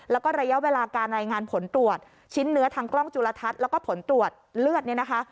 แล้วก็ระยะเวลาการรายงานผลตรวจชิ้นเนื้อทางกล้องจุลทัศน์แล้วก็ผลตรวจเลือดเนี่ยนะคะ